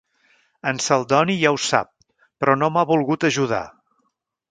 El Celdoni ja ho sap, però no m'ha volgut ajudar.